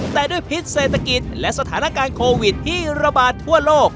แต่ด้วยพิษเศรษฐกิจและสถานการณ์โควิดที่ระบาดทั่วโลก